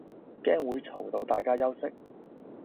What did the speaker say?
驚會嘈到大家休息